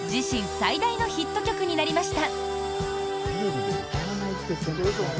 最大のヒット曲になりました。